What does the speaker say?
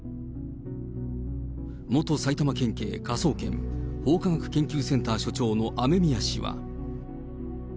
元埼玉県警科捜研、法科学研究センター所長の雨宮氏は。